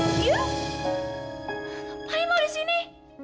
ngapain lo di sini